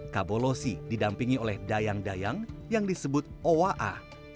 kabolosi didampingi oleh dayang dayang yang disebut owa